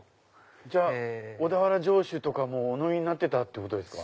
じゃあ小田原城主とかもお飲みになってたってことですか。